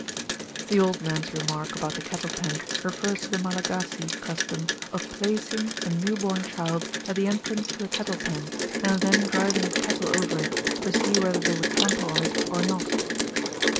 The old man's remark about the cattle pen refers to the Malagasy custom of placing a new born child at the entrance to a cattle pen, and then driving the cattle over it, to see whether they would trample on it or not.